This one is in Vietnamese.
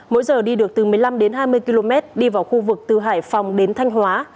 mỗi giờ đi được từ một mươi năm đến hai mươi km đi vào khu vực từ hải phòng đến thanh hóa